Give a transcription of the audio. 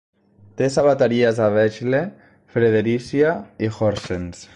Té sabateries a Vejle, Fredericia i Horsens.